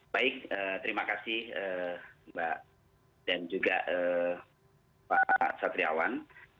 baik terima kasih mbak dan juga pak satriawan